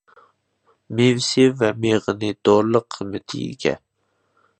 مېۋىسى ۋە مېغىزى دورىلىق قىممىتىگە ئىگە.